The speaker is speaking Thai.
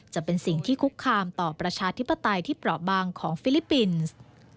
จะเป็นสิ่งที่คุกคามต่อประชาธิปไตยที่เปราะบางของฟิลิปปินส์